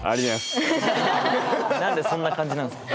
何でそんな感じなんすか。